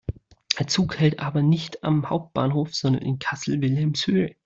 Der Zug hält aber nicht am Hauptbahnhof, sondern in Kassel-Wilhelmshöhe.